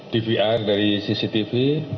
dvr dari cctv